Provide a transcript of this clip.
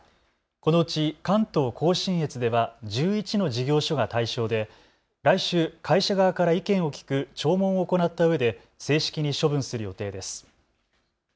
このうち関東甲信越では１１の事業所が対象で来週、会社側から意見を聞く聴聞を行ったうえで正式に処分する予定です。